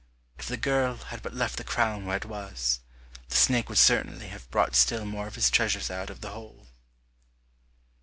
If the girl had but left the crown where it was, the snake would certainly have brought still more of its treasures out of the hole.